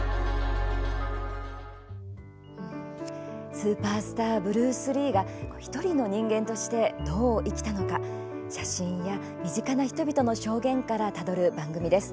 スーパースターブルース・リーが一人の人間として、どう生きたのか写真や身近な人々の証言からたどる番組です。